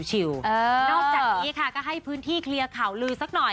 นอกจากนี้ค่ะก็ให้พื้นที่เคลียร์ข่าวลือสักหน่อย